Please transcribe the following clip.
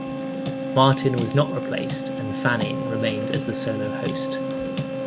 Martin was not replaced and Fanning remained as the solo host.